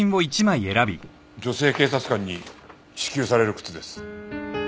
女性警察官に支給される靴です。